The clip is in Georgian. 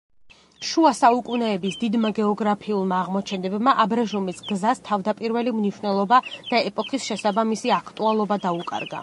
შუა საუკუნეების დიდმა გეოგრაფიულმა აღმოჩენებმა აბრეშუმის გზას თავდაპირველი მნიშვნელობა და ეპოქის შესაბამისი აქტუალობა დაუკარგა.